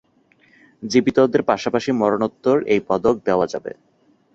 জীবিতদের পাশাপাশি মরণোত্তর এই পদক দেওয়া যাবে।